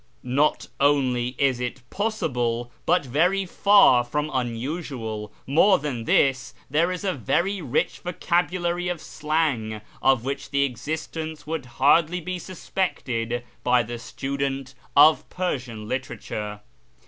Not only is it possible, but very far from unusual; more than this, there is a very rich vocabulary of slang, of which the existence would hardly be suspected by the student of Persian literature.